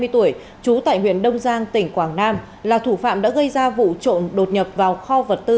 ba mươi tuổi trú tại huyện đông giang tỉnh quảng nam là thủ phạm đã gây ra vụ trộm đột nhập vào kho vật tư